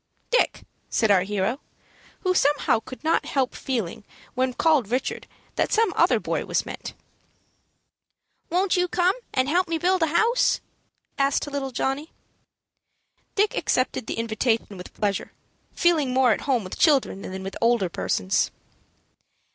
"Dick," said our hero, who somehow could not help feeling, when called Richard, that some other boy was meant. "Won't you come and help me build a house?" asked little Johnny. Dick accepted the invitation with pleasure, feeling more at home with children than with older persons.